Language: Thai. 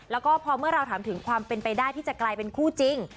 แล้วก็พอเมื่อเราถามถึงความเป็นไปได้ที่จะกลายเป็นคู่จริง